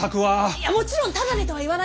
もちろんタダでとは言わないよ！